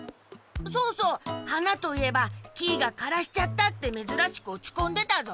そうそうはなといえばキイが「からしちゃった」ってめずらしくおちこんでたぞ。